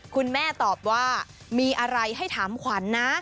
คุณแม่ตอบว่ามีอะไรให้ถามขวัญนะ